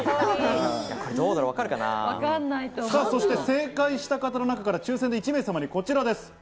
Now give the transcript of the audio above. そして、正解した方の中から抽選で１名様にこちらです。